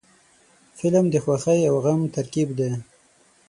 فلم د خوښۍ او غم ترکیب دی